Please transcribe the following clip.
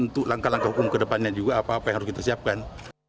untuk langkah langkah hukum ke depannya juga apa apa yang harus kita siapkan